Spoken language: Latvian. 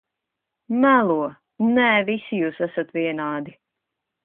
-Melo! Nē, visi jūs esat vienādi.